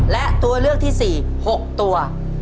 และตัวเลือกที่๔๖ตัว